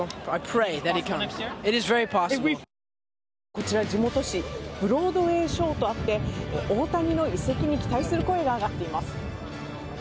こちら、地元紙ブロードウェーショーとあって大谷の移籍に期待する声が上がっています。